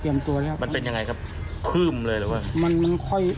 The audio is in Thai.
ตัวแล้วมันเป็นยังไงครับคืบเลยหรือว่ามันมันค่อย